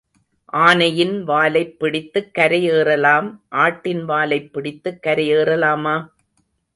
ஆனையின் வாலைப் பிடித்துக் கரை ஏறலாம் ஆட்டின் வாலைப் பிடித்துக் கரை ஏறலாமா?